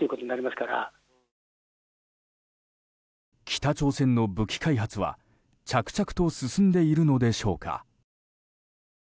北朝鮮の武器開発は着々と進んでいるのでしょうか。